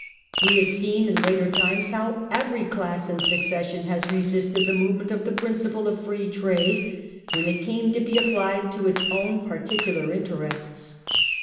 We have seen in later times how every class in succession has resisted the movement of the principle of free trade when it came to be applied to its own particular interests.